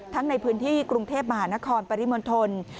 ในพื้นที่กรุงเทพมหานครปริมณฑล